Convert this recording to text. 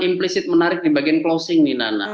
implisit menarik di bagian closing nih nana